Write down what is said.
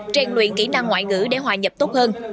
trang luyện kỹ năng ngoại ngữ để hòa nhập tốt hơn